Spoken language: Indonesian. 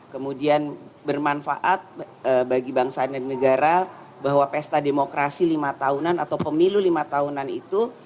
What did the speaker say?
kemudian bermanfaat bagi bangsa dan negara bahwa pesta demokrasi lima tahunan atau pemilu lima tahunan itu